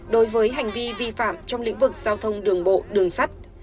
đối với hành vi vi phạm trong lĩnh vực giao thông đường bộ đường sắt